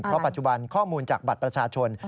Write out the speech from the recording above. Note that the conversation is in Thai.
เพราะปัจจุบันข้อมูลจากบัตรประชาชน